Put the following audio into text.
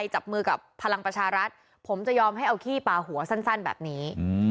จับมือกับพลังประชารัฐผมจะยอมให้เอาขี้ปลาหัวสั้นแบบนี้